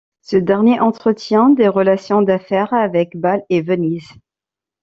Ce dernier entretient des relations d'affaires avec Bâle et Venise.